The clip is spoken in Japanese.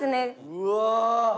うわ！